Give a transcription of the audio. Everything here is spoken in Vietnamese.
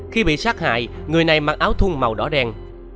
khi bị sát hại người này mặc áo thung màu đỏ đen